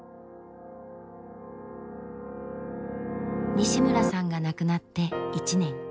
西村さんが亡くなって１年。